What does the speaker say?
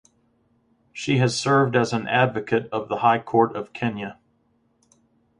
She has served as an advocate of the High Court of Kenya.